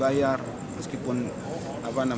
beliau datang sangsi diterima denda dibayar